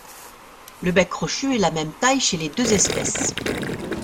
Le bec crochu est la même taille chez les deux espèces.